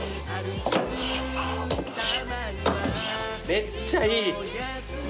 めっちゃいい。